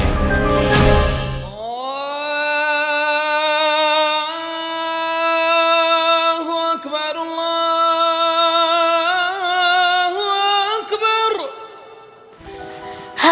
allahu akbar allahu akbar